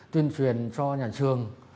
tuyên truyền cho nhà trường